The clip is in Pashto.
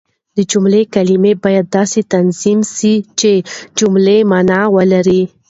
د جملې کلیمې باید داسي تنظیم سي، چي جمله مانا ولري.